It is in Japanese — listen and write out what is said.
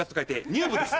乳部です。